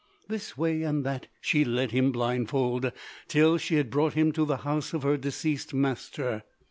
This way and that she led him blindfold, till she had brought him to the house of her deceased master.